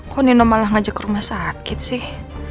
kok nino malah ngajak ke rumah sakit sih